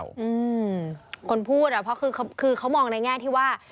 อืมคนพูดว่าคือมองในแง่ที่ว่า